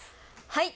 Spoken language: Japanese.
はい。